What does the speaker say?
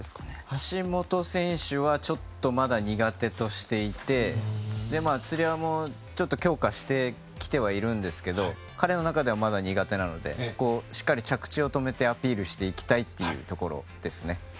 橋本選手はちょっとまだ苦手としていてつり輪も強化してきてはいるんですけど彼の中ではまだ苦手なのでしっかり着地を止めてアピールしていきたいというところです。